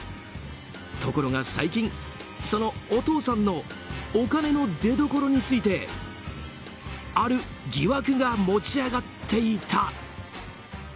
ところが最近、そのお父さんのお金の出どころについてある疑惑が持ち上がっていた。